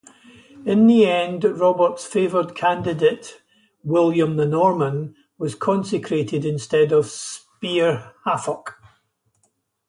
In the end Robert's favoured candidate, William the Norman, was consecrated instead of Spearhafoc.